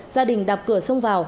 gia đình đạp cửa xông vào